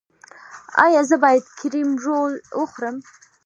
ایا زه باید کریم رول وخورم؟